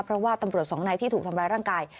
เพราะว่าตำรวจสองนายที่ถูกทำร้ายร่างกาย